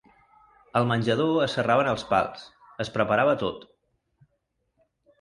Al menjador es serraven els pals, es preparava tot.